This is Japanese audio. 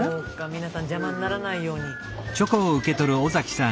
皆さん邪魔にならないように。